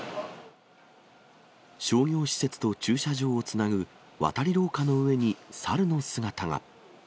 商業施設と駐車場をつなぐ渡り廊下の上に猿の姿が。